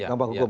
nggak mau hukum